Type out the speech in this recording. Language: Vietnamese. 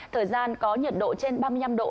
thời gian có nhiệt độ trên ba mươi năm độ